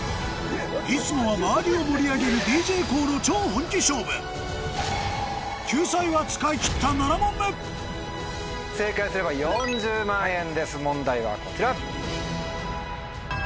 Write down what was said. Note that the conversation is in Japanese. いつもは周りを盛り上げるＤＪＫＯＯの救済は使い切った正解すれば４０万円です問題はこちら。